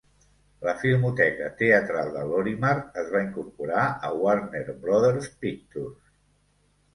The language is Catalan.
La filmoteca teatral de Lorimar es va incorporar a Warner Brothers Pictures.